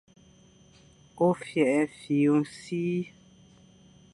Ôfîghefîkh ô sir.